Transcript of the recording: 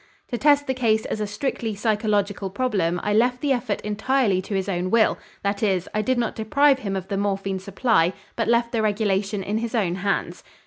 To test the case as a strictly psychological problem I left the effort entirely to his own will, that is, I did not deprive him of the morphine supply but left the regulation in his own hands.